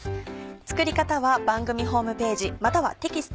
作り方は番組ホームページまたはテキスト